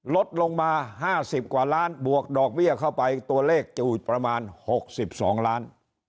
ลดลงมา๕๐กว่าล้านบวกดอกเบี้ยเข้าไปตัวเลขจะอีกประมาณ๖๒ล้าน